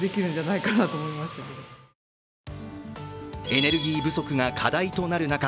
エネルギー不足が課題となる中、